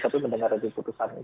tapi mendengar itu putusannya